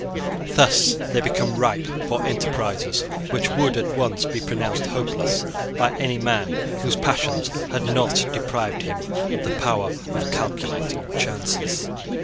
Thus they become ripe for enterprises which would at once be pronounced hopeless by any man whose passions had not deprived him of the power of calculating chances.